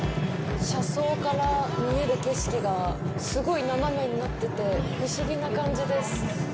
車窓から見える景色がすごい斜めになってて不思議な感じです。